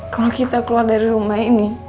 kalau kita keluar dari rumah ini